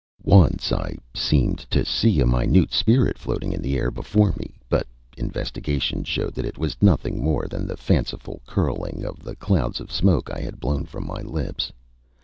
Once I seemed to see a minute spirit floating in the air before me, but investigation showed that it was nothing more than the fanciful curling of the clouds of smoke I had blown from my lips.